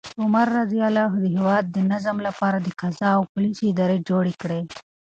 عمر رض د هیواد د نظم لپاره د قضا او پولیسو ادارې جوړې کړې.